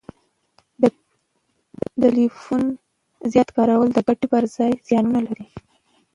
د ټلیفون زیات کارول د ګټي پر ځای زیانونه لري